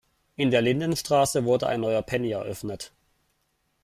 In der Lindenstraße wurde ein neuer Penny eröffnet.